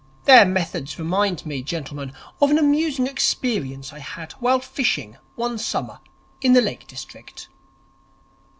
Their methods remind me, gentlemen, of an amusing experience I had while fishing one summer in the Lake District.'